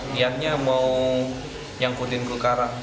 niatnya mau nyangkutin ke lekara